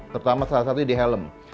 terutama salah satu di helm